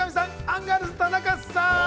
アンガールズ、田中さん。